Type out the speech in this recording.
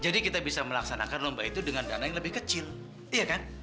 jadi kita bisa melaksanakan lomba itu dengan dana yang lebih kecil iya kan